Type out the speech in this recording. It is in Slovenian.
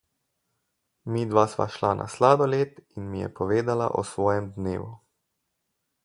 Midva sva šla na sladoled in mi je povedala o svojem dnevu.